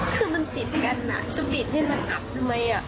คือมันติดกันจะบิดให้มันอัดทำไม